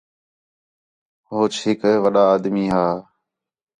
ہوچ ہِک وݙّا آدمی ہا